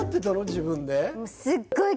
自分で。